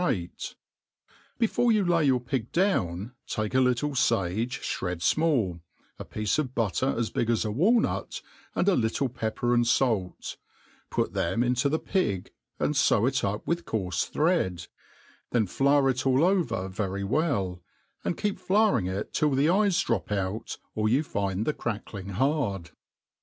grate« Before you lay y^ur pig down, take a little fagtf (hred fmall, a piece of butter as big as a waltiut, and a little pepper> and fait; put them into the pig, and fow it up with'co^rfa thread j then flcAjr it all over very w^ll, and keep flouripg it till the eyes drop out, or you find^the crackling hard.